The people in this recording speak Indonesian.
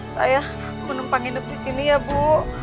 saya menumpang nginep di sini ya bu